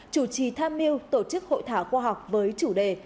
chủ trì tham mưu tổ chức hội thảo khoa học với chủ đề